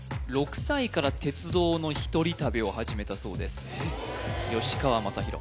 ６歳から鉄道の一人旅を始めたそうですえっ？